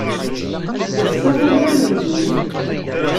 Netta ur d amenzug.